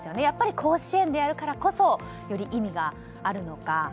やっぱり甲子園でやるからこそより意味があるのか